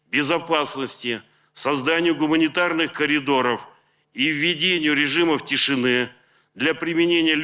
keamanan menciptakan koridor humanitar dan menempatkan regimen kecil